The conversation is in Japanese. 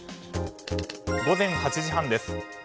午前８時半です。